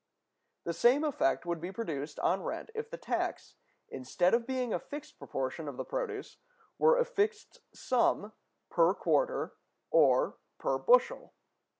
The same effect would be produced on rent if the tax, instead of being a fixed proportion of the produce, were a fixed sum per quarter or per bushel.